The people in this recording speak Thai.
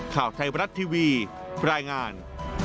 ข่าวไทยบรัฐทีวีรายงาน